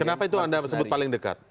kenapa itu anda sebut paling dekat